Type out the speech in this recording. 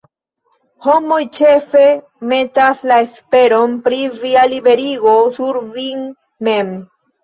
Homoj ĉefe metas la esperon pri via liberigo sur vin mem.